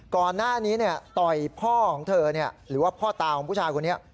ก่อนหน้านี้ต่อยพ่อของเธอหรือว่าพ่อตาของผู้ชายคนนี้